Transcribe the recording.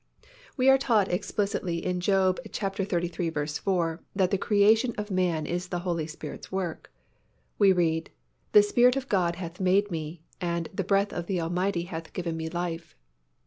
We are taught explicitly in Job xxxiii. 4, that the creation of man is the Holy Spirit's work. We read, "The Spirit of God hath made me, and the breath of the Almighty hath given me life."